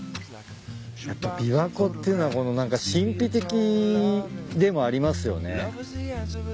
やっぱ琵琶湖っていうのは何か神秘的でもありますよね。